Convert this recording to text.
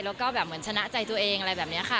แล้วก็แบบเหมือนชนะใจตัวเองอะไรแบบนี้ค่ะ